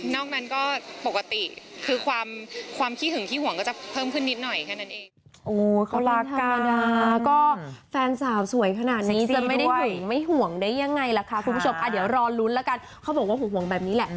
นั้นก็ปกติคือความขี้หึงขี้ห่วงก็จะเพิ่มขึ้นนิดหน่อยแค่นั้นเอง